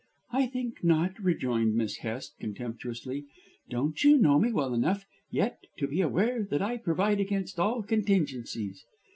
"I think not," rejoined Miss Hest contemptuously. "Don't you know me well enough yet to be aware that I provide against all contingencies.